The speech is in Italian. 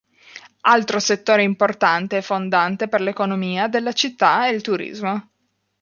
Altro settore importante e fondante per l'economia della città è il turismo.